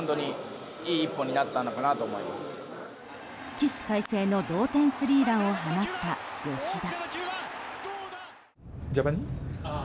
起死回生の同点スリーランを放った吉田。